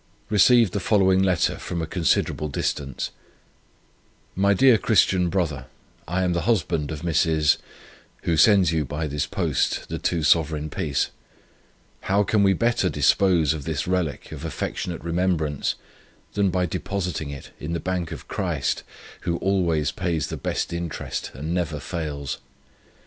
Received the following letter from a considerable distance: 'My dear Christian Brother, I am the husband of Mrs. who sends you by this post the two Sovereign piece. How can we better dispose of this relic of affectionate remembrance, than by depositing it in the bank of Christ, who always pays the best interest, and never fails.